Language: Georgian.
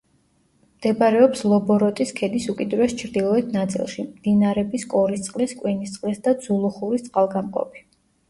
მდებარეობს ლობოროტის ქედის უკიდურეს ჩრდილოეთ ნაწილში, მდინარების კორისწყლის, კვინისწყლის და ძულუხურის წყალგამყოფი.